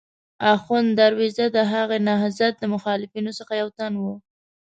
اخوند درویزه د هغه نهضت د مخالفینو څخه یو تن و.